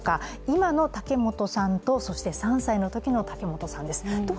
今の竹本さんとそして３歳のときの竹本さんです。